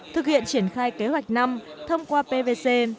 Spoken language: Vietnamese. thực hiện triển khai kế hoạch năm thông qua pvc